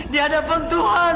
di hadapan tuhan